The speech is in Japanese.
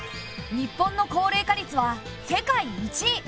日本の高齢化率は世界１位。